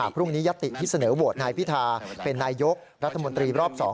พรุ่งนี้ยติที่เสนอโหวตนายพิธาเป็นนายยกรัฐมนตรีรอบ๒